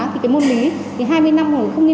thì cái môn lý thì hai mươi năm rồi không nghiên cứu đến